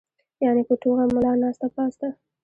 يعني پۀ ټوغه ملا ناسته پاسته